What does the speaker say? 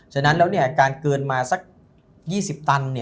ฉะนั้นแล้วการเกินมาสัก๒๐ตัน